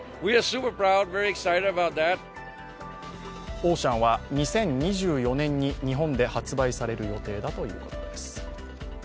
オーシャンは２０２４年に日本で発売される予定だということです。